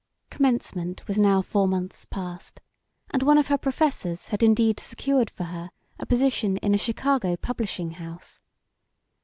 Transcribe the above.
Commencement was now four months past, and one of her professors had indeed secured for her a position in a Chicago "publishing house."